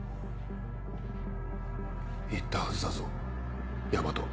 言ったはずだぞ大和。